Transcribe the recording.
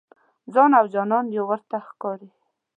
ځان او جانان یو ورته ښکاري.